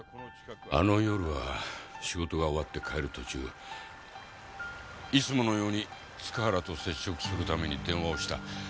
あの夜は仕事が終わって帰る途中いつものように塚原と接触するために電話をした。